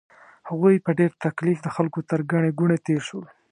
هغوی په ډېر تکلیف د خلکو تر ګڼې ګوڼې تېر شول.